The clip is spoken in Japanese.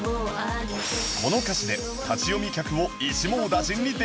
この歌詞で立ち読み客を一網打尽にできそう